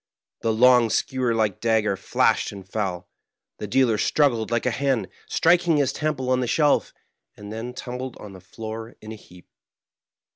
The long, skewer like dagger flashed and fell. The dealer struggled like a hen, strik ing his temple on the sheK, and then tumbled on the floor in a heap.